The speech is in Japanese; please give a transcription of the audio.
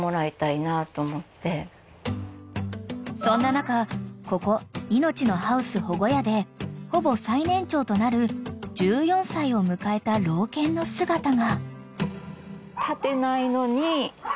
［そんな中ここいのちのはうす保護家でほぼ最年長となる１４歳を迎えた老犬の姿が］